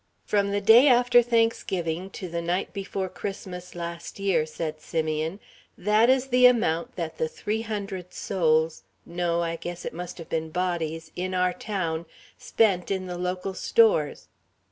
"From the day after Thanksgiving to the night before Christmas last year," said Simeon, "that is the amount that the three hundred souls no, I guess it must have been bodies in our town spent in the local stores.